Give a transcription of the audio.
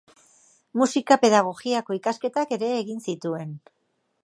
Musika-pedagogiako ikasketak ere egin zituen.